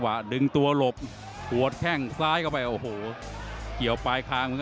มวยไทยนี่ถ้าผู้ชมประมาณไม่ได้ต้องดูที่เหลี่ยมสุดท้ายด้วยนะ